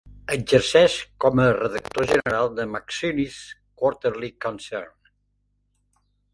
Exerceix com a redactor general de "McSweeney's Quarterly Concern".